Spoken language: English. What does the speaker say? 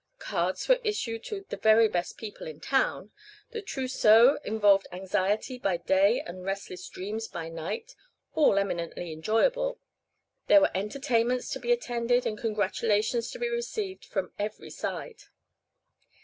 Cards were issued to "the very best people in town;" the trousseau involved anxiety by day and restless dreams by night all eminently enjoyable; there were entertainments to be attended and congratulations to be received from every side.